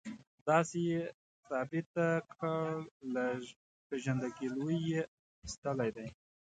داسې یې ټانټه کړ، له پېژندګلوۍ یې ایستلی دی.